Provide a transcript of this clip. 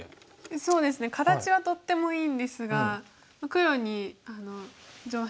そうですね形はとってもいいんですが黒に上辺。